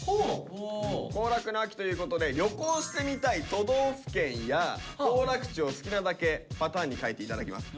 行楽の秋ということで旅行してみたい都道府県や行楽地を好きなだけパターンに書いて頂きます。